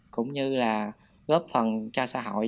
cũng như là góp phần cho xã hội